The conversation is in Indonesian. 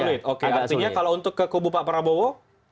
artinya kalau untuk kekubu pak prabowo